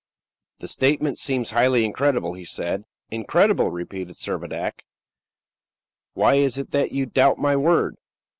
"The statement seems highly incredible," he said. "Incredible?" repeated Servadac. "Why is it that you doubt my word?"